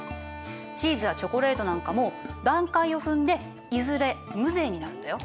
チーズやチョコレートなんかも段階を踏んでいずれ無税になるんだよ。